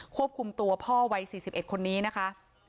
ควบคุมตัวพ่อวัย๔๑คนนี้นะคะ